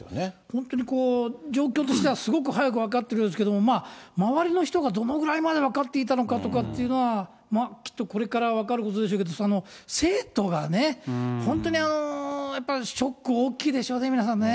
本当にこう、状況としてはすごく早く分かってるようですけれども、周りの人がどのぐらいまで分かっていたのかとかっていうのは、きっとこれから分かることでしょうけれども、生徒がね、本当にやっぱり、ショック大きいでしょうね、皆さんね。